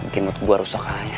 gimut gue rusakannya